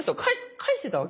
返してたわけ。